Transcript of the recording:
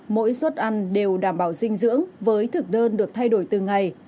mỗi suất ăn đều đảm bảo dinh dưỡng với thực đơn được thay đổi từng ngày